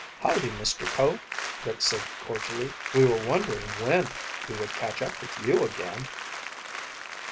"Howdy, Mr. Ko," Rick said cordially. "We were wondering when we would catch up with you again."